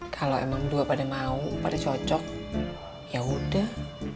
kalau emang dua pada mau pada cocok ya udah